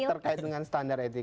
itu terkait dengan standar etika